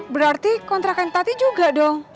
berarti kontrakan tati juga dong